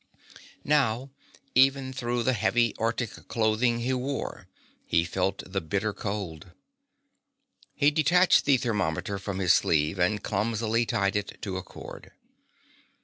Now, even through the heavy, arctic clothing he wore, he felt the bitter cold. He detached the thermometer from his sleeve and clumsily tied it to a cord.